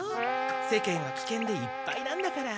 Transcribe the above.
世間はきけんでいっぱいなんだから。